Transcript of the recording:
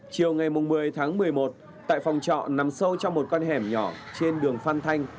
chiều ngày một mươi tháng một mươi một tại phòng trọ nằm sâu trong một con hẻm nhỏ trên đường phan thanh